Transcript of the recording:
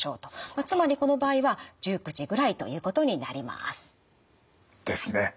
つまりこの場合は１９時ぐらいということになります。ですね。